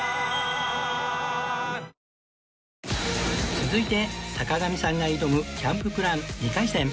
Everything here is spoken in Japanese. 続いて坂上さんが挑むキャンププラン２回戦